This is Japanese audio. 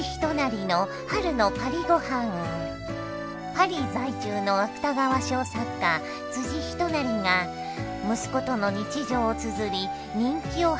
パリ在住の芥川賞作家仁成が息子との日常をつづり人気を博したブログ。